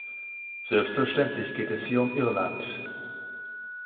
Selbstverständlich geht es hier um Irland.